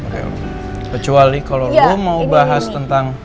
kecuali kalau lo mau bahas tentang